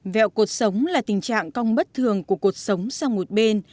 vẹo cuộc sống là tình trạng cong bất thường của cuộc sống sang một bên